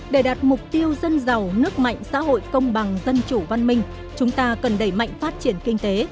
để đạt mục tiêu dân giàu nước mạnh xã hội công bằng dân chủ văn minh chúng ta cần đẩy mạnh phát triển kinh tế